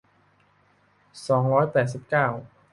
สองร้อยแปดสิบเก้า